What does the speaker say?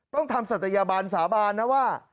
ต้องทำศัตยบันสาบานนะว่า